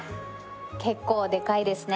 結構でかいですね